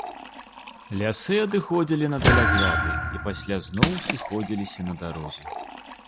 Лясы адыходзілі на далягляды і пасля зноў сыходзіліся на дарозе.